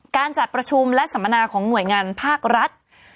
การจัดประชุมและสัมมนาของหน่วยงานภาครัฐ